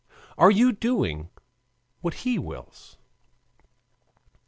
Are you doing what he wills?